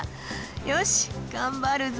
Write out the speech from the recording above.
よし頑張るぞ！